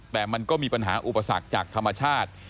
แต่มันก็มีปัญหาอุปสรรคจากธรรมชาติ